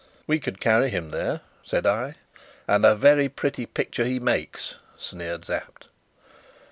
"We could carry him there," said I. "And a very pretty picture he makes," sneered Sapt.